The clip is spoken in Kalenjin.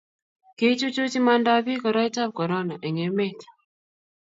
kiichuchuch imandab biik koroitab korona eng' emet